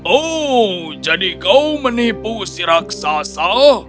oh jadi kau menipu si raksasa